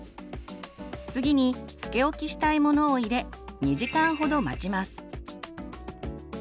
次につけおきしたいものを入れ２時間ほど待ちます。